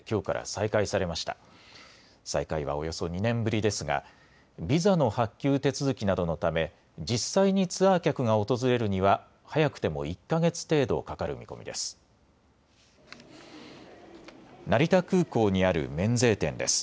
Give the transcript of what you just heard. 再開はおよそ２年ぶりですがビザの発給手続きなどのため実際にツアー客が訪れるには早くても１か月程度かかる見込みです。